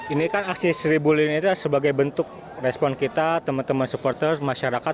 ini kan aksi seribu lilin itu sebagai bentuk respon kita teman teman supporter masyarakat